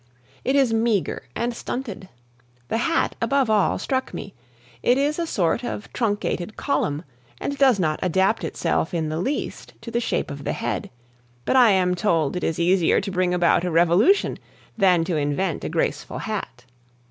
It is meagre and stunted. The hat, above all, struck me; it is a sort of truncated column, and does not adapt itself in the least to the shape of the head; but I am told it is easier to bring about a revolution than to invent a graceful hat.